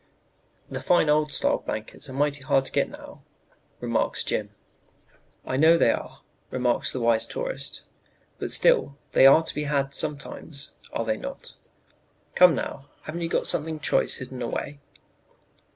"'The fine old style blankets are mighty hard to get now,' remarks Jim. "'I know they are,' remarks the wise tourist, 'but still they are to be had sometimes, are they not? Come, now, haven't you got something choice hidden away?'